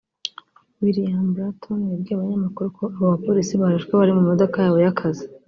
William Bratton yabwiye abanyamakuru ko abo bapolisi barashwe bari mu modoka yabo y’akazi